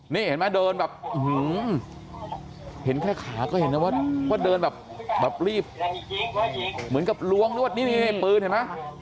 นี่เห็นมั้ยเดินแบบเห็นแค่ขาก็เห็นว่าเดินแบบรีบเหมือนกับล้วงหรือเปลือง